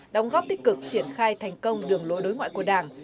đóng góp tích cực triển khai thành công đường lối đối ngoại của đảng